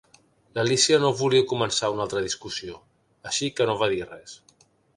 L'Alícia no volia començar una altra discussió, així que no va dir res.